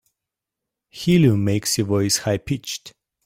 Helium makes your voice high pitched.